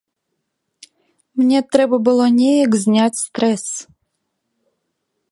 Мне трэба было неяк зняць стрэс.